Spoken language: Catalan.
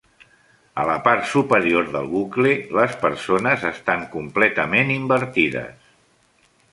A la part superior del bucle, les persones estan completament invertides.